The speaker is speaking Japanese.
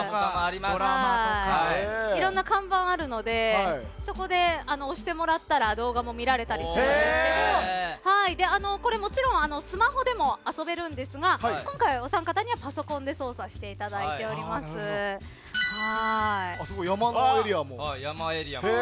いろんな看板があるのでそこで押してもらったら動画も見られたりするんですけどもちろんスマホでも遊べるんですが今回はお三方にはパソコンで山エリアも。